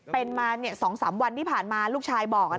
เป็นมา๒๓วันที่ผ่านมาลูกชายบอก